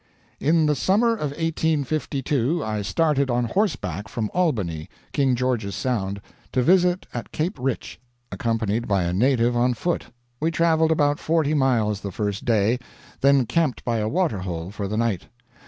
"In the summer of 1852 I started on horseback from Albany, King George's Sound, to visit at Cape Riche, accompanied by a native on foot. We traveled about forty miles the first day, then camped by a water hole for the night.